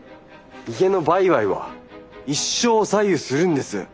家の売買は一生を左右するんです。